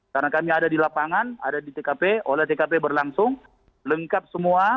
karena kami ada di lapangan ada di tkp oleh tkp berlangsung lengkap semua